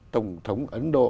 tổng thống ấn độ